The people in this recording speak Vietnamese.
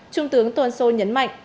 trung tướng tuấn sô nhấn mạnh